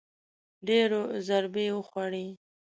ډېرو ضربې وخوړې